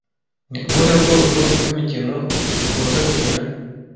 Ni ubuhe bwoko bw'imikino ukunda gukina?